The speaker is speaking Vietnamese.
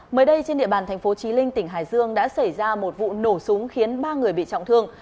mới đây trên địa bàn thành phố trí linh tỉnh hải dương đã xảy ra một vụ nổ súng khiến ba người bị trọng thương